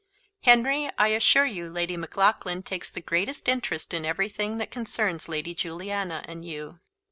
Henry, I assure you, Lady Maclaughlan takes the greatest interest in everything that concerns Lady Juliana and you."